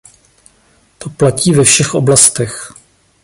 To platí ve všech oblastech.